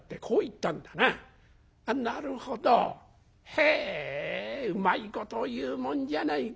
へえうまいことを言うもんじゃないか」。